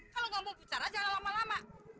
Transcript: kalau nggak mau bicara jangan lama lama